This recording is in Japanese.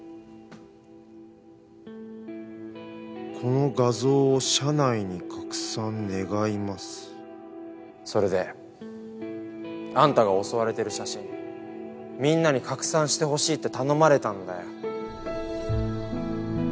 「この画像を社内に拡散願それであんたが襲われてる写真みんなに拡散してほしいって頼まれたんだよ。